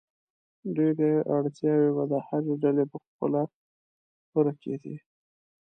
ډېری اړتیاوې به د هرې ډلې په خپله پوره کېدې.